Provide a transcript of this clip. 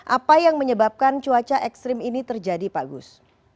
apa yang menyebabkan cuaca ekstrim ini terjadi pak gus